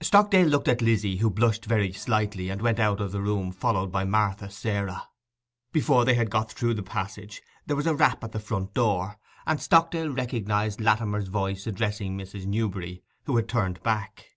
Stockdale looked at Lizzy, who blushed very slightly, and went out of the room, followed by Martha Sarah. But before they had got through the passage there was a rap at the front door, and Stockdale recognized Latimer's voice addressing Mrs. Newberry, who had turned back.